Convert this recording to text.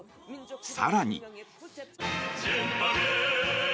更に。